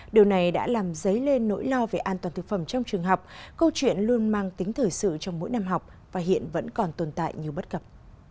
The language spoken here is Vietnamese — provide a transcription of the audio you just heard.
điều này đã làm dấy lên nỗi lo về an toàn thực phẩm trong trường học câu chuyện luôn mang tính thời sự trong mỗi năm học và hiện vẫn còn tồn tại nhiều bất cập